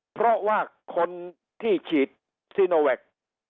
เพราะว่าคนที่ฉีดซิโนแวคเป็นเข็มที่สอง